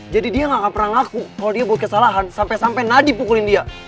jadi dia gak pernah ngaku kalo dia buat kesalahan sampe sampe nadif pukulin dia